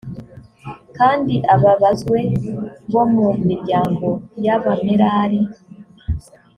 kandi ababazwe bo mu miryango y abamerari